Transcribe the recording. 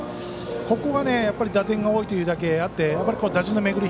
ここが打点が多いというだけあって打順の巡り